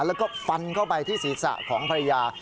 แล้วก็ฟันเข้าไปที่ศีรษะของภรรยา